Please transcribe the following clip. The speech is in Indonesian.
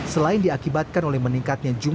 selain diakibatkan oleh meningkatkan jalan cikopo cikampek